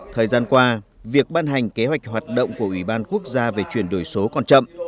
thời gian qua việc ban hành kế hoạch hoạt động của ủy ban quốc gia về chuyển đổi số còn chậm